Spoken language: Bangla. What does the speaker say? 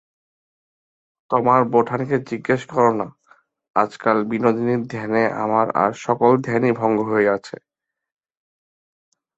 তোমার বোঠানকে জিজ্ঞাসা করো না, আজকাল বিনোদিনীর ধ্যানে আমার আর-সকল ধ্যানই ভঙ্গ হইয়াছে।